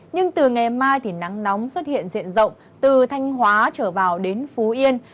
nhưng từ ngày mai thì nắng nóng xuất hiện diện rộng từ thanh hóa trở vào đến phú yên